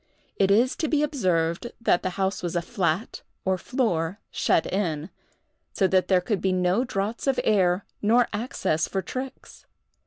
It is to be observed that the house was a flat, or floor, shut in; so that there could be no draughts of air nor access for tricks.